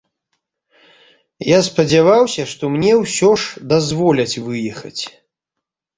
Я спадзяваўся, што мне ўсе ж дазволяць выехаць.